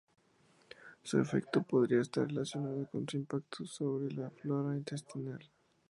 Su efecto podría estar relacionado con su impacto sobre la flora intestinal.